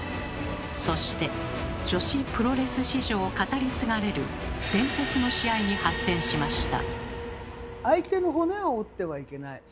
そして女子プロレス史上語り継がれる伝説の試合に発展しました。